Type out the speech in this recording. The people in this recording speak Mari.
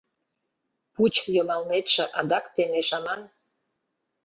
Пуч йымалнетше адак темеш аман.